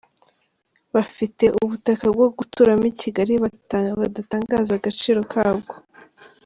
Bafite ubutaka bwo guturamo i Kigali badatangaza agaciro kabwo.